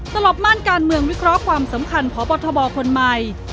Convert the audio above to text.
ตลบม่านการเมืองวิเคราะห์ความสำคัญพบทบคนใหม่